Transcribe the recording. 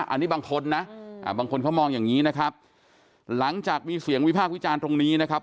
อันนี้บางคนนะบางคนเขามองอย่างนี้นะครับหลังจากมีเสียงวิพากษ์วิจารณ์ตรงนี้นะครับ